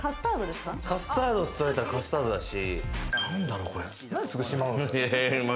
カスタードって言われたらカスタードだし。